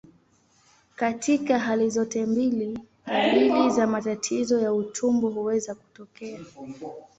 Katika hali zote mbili, dalili za matatizo ya utumbo huweza kutokea.